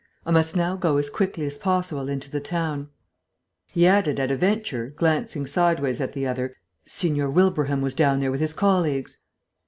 I must now go as quickly as possible in to the town." He added, at a venture, glancing sideways at the other, "Signor Wilbraham was down there with his colleagues."